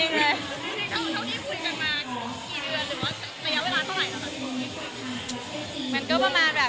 คุณพลิคภูมิครับ